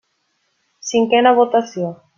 Cinquena votació.